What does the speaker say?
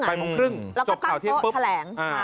แล้วก็ตั้งโต๊ะแถลง